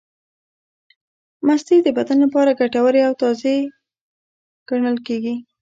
مستې د بدن لپاره ګټورې او تازې ګڼل کېږي.